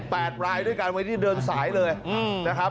แปดรายด้วยกันวันนี้เดินสายเลยอืมนะครับ